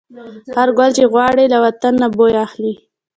هر ګل چې غوړي، له وطن نه بوی اخلي